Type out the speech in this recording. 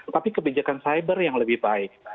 tapi kebijakan cyber yang lebih baik